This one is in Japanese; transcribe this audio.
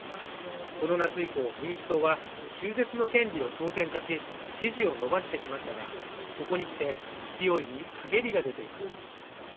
この夏以降民主党は中絶の権利を争点化し支持を伸ばしてきましたがここにきて勢いにかげりが出ています